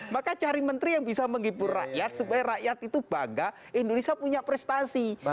maka cari menteri yang bisa menghibur rakyat supaya rakyat itu bangga indonesia punya prestasi